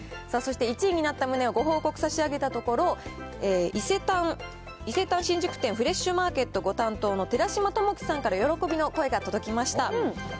さあ、そして１位になった旨をご報告差し上げたところ、伊勢丹新宿店フレッシュマーケットご担当の寺島朝輝さんから喜びの声が届きました。